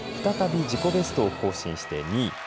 再び自己ベストを更新して２位。